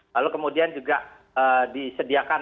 lalu kemudian juga disediakan